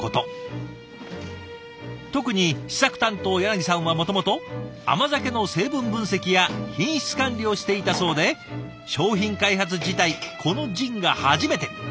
特に試作担当さんはもともと甘酒の成分分析や品質管理をしていたそうで商品開発自体このジンが初めて。